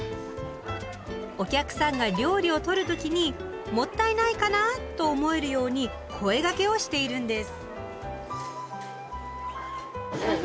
お客さんが料理を取る時に「もったいない」かな？と思えるように声がけをしているんです。